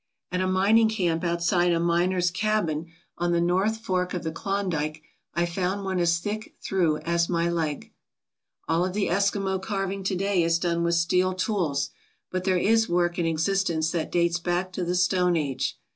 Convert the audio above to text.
At a mining 219 ALASKA OUR NORTHERN WONDERLAND camp outside a miner's cabin on the north fork of the Klondike I found one as thick through as my leg. All of the Eskimo carving to day is done with steel tools, but there is work in existence that dates back to the Stone Age.